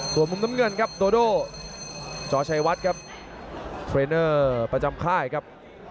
ส่วนมุมน้ำเงินครับโดโดจอชัยวัดครับเทรนเนอร์ประจำค่ายครับ